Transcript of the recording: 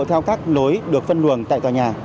theo các lối được phân luồng tại tòa nhà